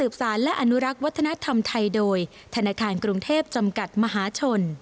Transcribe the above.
ปั้นเด็งปีกนกแอ่น